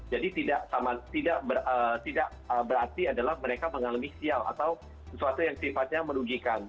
jadi tidak berarti adalah mereka mengalami sial atau sesuatu yang sifatnya merugikan